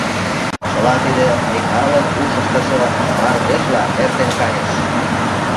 Чыла тиде Микалын ушыштыжо мардежла эртен кайыш.